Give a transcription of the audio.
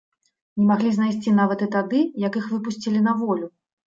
Не маглі знайсці нават і тады, як іх выпусцілі на волю.